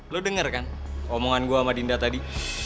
lu denger kan omongan gue sama dinda tadi